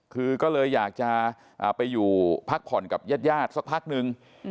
คือก็เลยอยากจะไปอยู่พักผ่อนกับญาติสักพักนึง